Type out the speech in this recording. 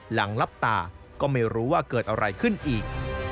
หลังลับตาก็ไม่รู้ว่าเกิดอะไรขึ้นอีก